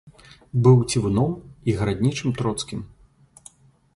Быў цівуном і гараднічым троцкім.